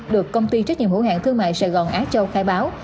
được công ty trách nhiệm hữu hạng thương mại sài gòn á châu khai báo